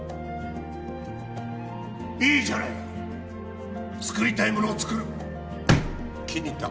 いいじゃないか作りたいものを作る気に入った！